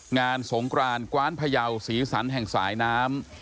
งานสงกรานกว้านพยาวสีสันแห่งสายน้ำ